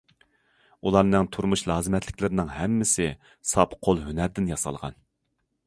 ئۇلارنىڭ تۇرمۇش لازىمەتلىكلىرىنىڭ ھەممىسى ساپ قول ھۈنەردىن ياسالغان.